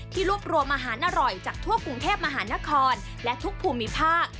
รวบรวมอาหารอร่อยจากทั่วกรุงเทพมหานครและทุกภูมิภาค